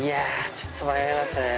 ちょっと迷いますね。